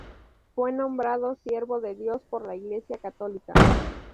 Fue nombrado Siervo de Dios por la Iglesia católica.